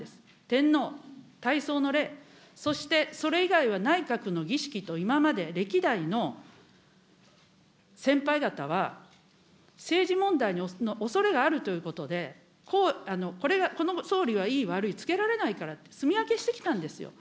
天皇大喪の礼、そしてそれ以外は内閣の儀式と今まで歴代の先輩方は、政治問題のおそれがあるということで、この総理はいい悪いつけられないからって、住み分けしてきたんですよ。